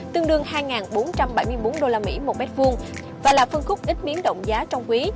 tương đương hai bốn trăm bảy mươi bốn usd một mét vuông và là phân khúc ít biến động giá trong quý